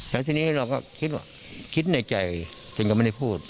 แล้วทีนี้เราก็คิดในใจจนก็ไม่ได้พูด